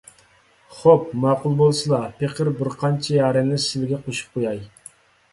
خوپ، ماقۇل بولسىلا، پېقىر بىرقانچە يارەننى سىلىگە قوشۇپ قوياي.